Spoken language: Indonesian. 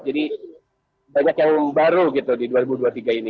jadi banyak yang baru gitu di dua ribu dua puluh tiga ini